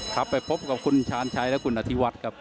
ครับไปพบกับคุณชาญชัยและคุณอธิวัฒน์ครับ